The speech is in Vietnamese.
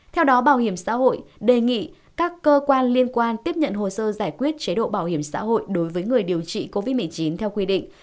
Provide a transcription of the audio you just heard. theo đó bảo hiểm xã hội đề nghị các cơ quan liên quan tiếp nhận hồ sơ giải quyết chế độ bảo hiểm xã hội đối với người điều trị covid một mươi chín theo quy định